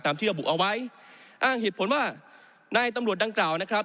ที่ระบุเอาไว้อ้างเหตุผลว่านายตำรวจดังกล่าวนะครับ